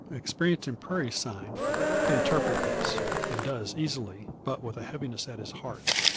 Experienced in prairie sign he can interpret this; and does easily, but with a heaviness at his heart.